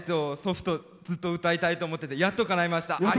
祖父とずっと歌いたいと思っててやっとかないました。